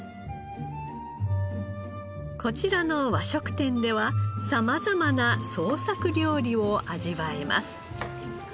こちらの和食店では様々な創作料理を味わえます。